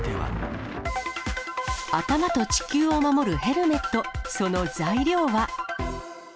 頭と地球を守るヘルメット、その材料は？